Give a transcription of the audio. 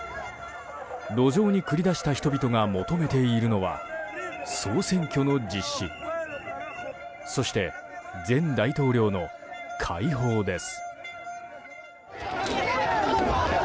路上に繰り出した人々が求めているのは総選挙の実施そして、前大統領の解放です。